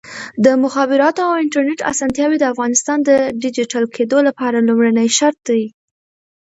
د مخابراتو او انټرنیټ اسانتیاوې د افغانستان د ډیجیټل کېدو لپاره لومړنی شرط دی.